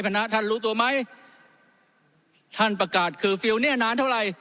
พนักท่านรู้ตัวไหมท่านประกาศคือฟิลเนี้ยนานเท่าไร